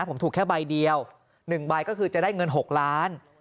ผมถูกแค่ใบเดียว๑ใบก็คือจะได้เงิน๖ล้าน